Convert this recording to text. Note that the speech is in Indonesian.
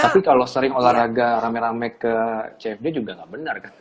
tapi kalau sering olahraga rame rame ke cfd juga nggak benar kan